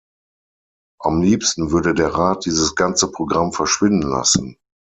Am liebsten würde der Rat dieses ganze Programm verschwinden lassen.